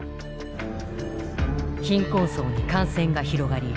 貧困層に感染が広がり